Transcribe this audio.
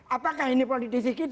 apakah ini politisi kita seperti ini